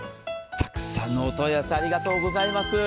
たくさんのお問い合わせありがとうございます。